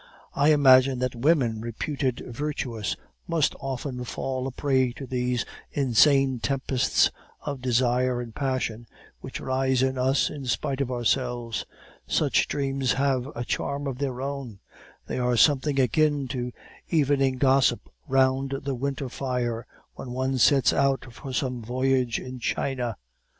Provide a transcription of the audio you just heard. I imagine that women reputed virtuous, must often fall a prey to these insane tempests of desire and passion, which rise in us in spite of ourselves. Such dreams have a charm of their own; they are something akin to evening gossip round the winter fire, when one sets out for some voyage in China.